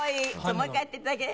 もう１回やっていただける？